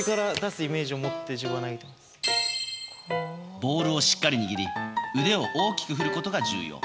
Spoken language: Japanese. ボールをしっかり握り腕を大きく振ることが重要。